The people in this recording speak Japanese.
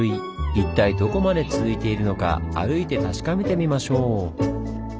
一体どこまで続いているのか歩いて確かめてみましょう！